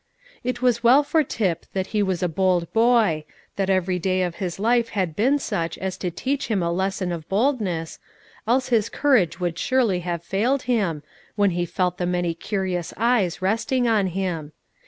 It was well for Tip that he was a bold boy, that every day of his life had been such as to teach him a lesson of boldness, else his courage would surely have failed him, when he felt the many curious eyes resting on him.